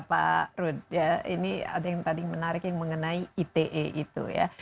pak rud ini ada yang tadi menarik yang mengenai ite itu ya